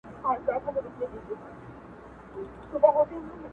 مجنونان ترې مستغني دي محمده